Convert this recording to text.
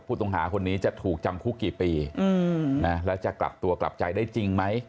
ผู้ต้องหาคนนี้จะถูกจำคุกกี่ปีแล้วจะกลับตัวกลับใจได้จริงไหม